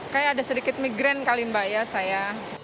kayak ada sedikit migren kalimbaya saya